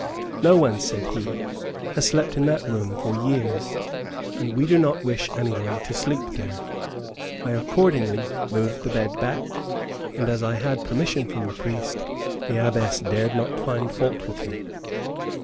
"No one," said he, "has slept in that room for years, and we do not wish any one to sleep there." I accordingly moved the bed back, and as I had permission from the priest, the Abbess dared not find fault with me.